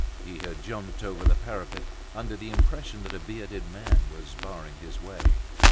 He had jumped over the parapet, under the impression that a bearded man was barring his way.